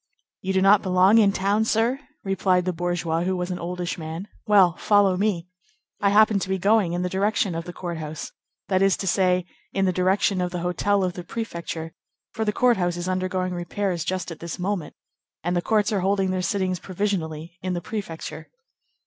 "You do not belong in town, sir?" replied the bourgeois, who was an oldish man; "well, follow me. I happen to be going in the direction of the court house, that is to say, in the direction of the hotel of the prefecture; for the court house is undergoing repairs just at this moment, and the courts are holding their sittings provisionally in the prefecture."